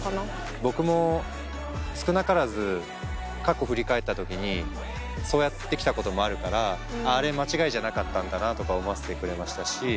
僕も少なからず過去振り返った時にそうやってきたこともあるから「あれ間違いじゃなかったんだな」とか思わせてくれましたし。